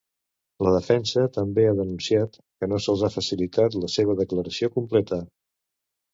La defensa també ha denunciat que no se'ls ha facilitat la seva declaració completa.